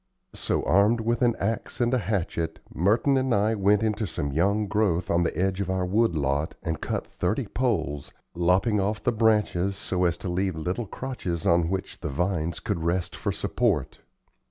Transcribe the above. So, armed with an axe and a hatchet, Merton and I went into some young growth on the edge of our wood lot and cut thirty poles, lopping off the branches so as to leave little crotches on which the vines could rest for support.